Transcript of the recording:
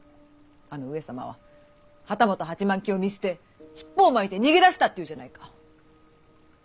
あの上様は旗本８万騎を見捨て尻尾を巻いて逃げ出したっていうじゃないか。